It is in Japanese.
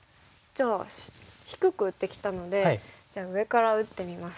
じゃあ低く打ってきたので上から打ってみます。